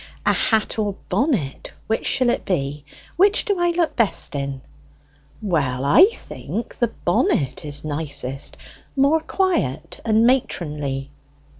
A hat or a bonnet, which shall it be? Which do I look best in?" "Well, I think the bonnet is nicest, more quiet and matronly."